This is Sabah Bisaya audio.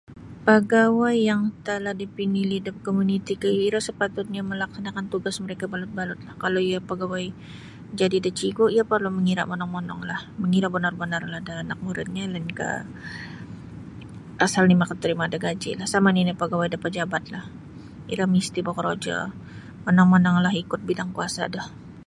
Pagawai yang talah dipinili' oleh komuniti iro sapatutnyo malaksanakan tugas mereka balut-balutlah kalau iyo pagawai jadi da cigu iyo parlu mangira monong-mononglah mangira bonor-bonorlah da anak muridnyo lainkah asal oni makatarimo da gaji lah sama nini pagawai da pajabatlah iro misti bokorojo monong-mononglah ikut bidang kuasa do.